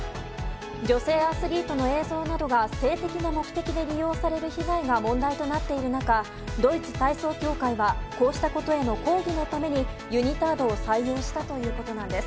女性アスリートの映像などが性的な目的で利用される被害が問題となっている中ドイツ体操協会はこうしたことへの抗議のためにユニタードを採用したということなんです。